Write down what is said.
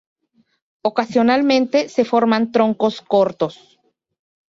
Ocasionalmente se forman troncos cortos.